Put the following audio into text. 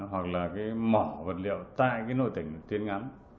hoặc là cái mỏ vật liệu tại cái nội tỉnh tuyến ngắn